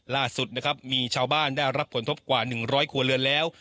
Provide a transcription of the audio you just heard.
ล่าสุดนะครับมีชาวบ้านได้รับผลทบกว่า๑๐๐ครัวเรือนแล้ว